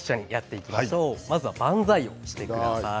まず万歳をしてください。